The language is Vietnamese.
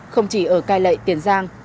không chỉ ở cai lệ tiền giang